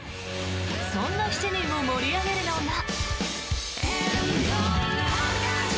そんな７人を盛り上げるのが。